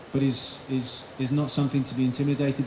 bukan sesuatu yang harus kita khawatirkan